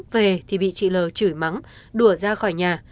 về thì bị chị lờ chửi mắng đùa ra khỏi nhà